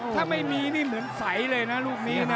ถ้าไม่มีนี่เหมือนใสเลยนะลูกนี้นะ